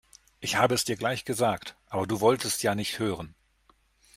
Ich habe es dir gleich gesagt, aber du wolltest ja nicht hören.